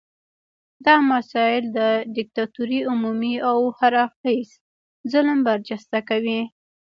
دا مسایل د دیکتاتورۍ عمومي او هر اړخیز ظلم برجسته کوي.